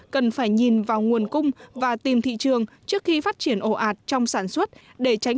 cần phải nhìn vào nguồn cung và tìm thị trường trước khi phát triển ồ ạt trong sản xuất để tránh